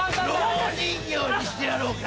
蝋人形にしてやろうか！